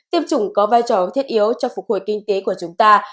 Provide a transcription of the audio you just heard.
tiêm chủng có vai trò thiết yếu cho phục hồi kinh tế của chúng ta